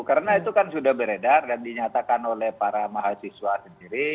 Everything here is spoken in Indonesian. karena itu kan sudah beredar dan dinyatakan oleh para mahasiswa sendiri